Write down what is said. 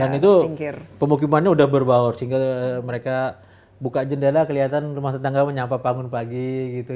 dan itu pemukimannya udah berbaur sehingga mereka buka jendela kelihatan rumah tetangga menyapa panggung pagi gitu